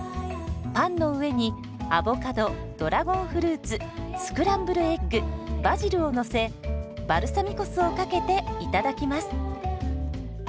パンの上にアボカドドラゴンフルーツスクランブルエッグバジルをのせバルサミコ酢をかけていただきます。